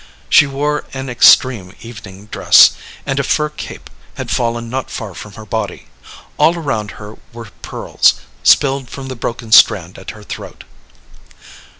She wore an extreme evening dress, and a fur cape had fallen not far from her body. All around her were pearls ... spilled from the broken strand at her throat.